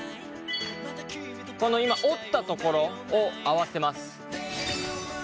この今折った所を合わせます。